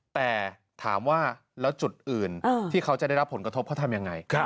แต่ถามว่าแล้วจุดอื่นที่เขาจะได้รับผลกระทบเขาทำยังไง